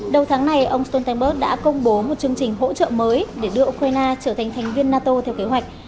đầu tháng này ông stoltenberg đã công bố một chương trình hỗ trợ mới để đưa ukraine trở thành thành viên nato theo kế hoạch